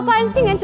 kayanya badai itu